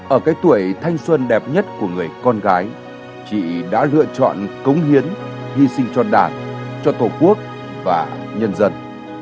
ở cái tuổi thanh xuân đẹp nhất của người con gái chị đã lựa chọn cống hiến hy sinh cho đảng cho tổ quốc và nhân dân